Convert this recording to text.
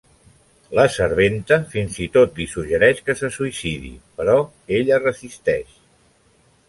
La serventa fins i tot li suggereix que se suïcidi, però ella resisteix.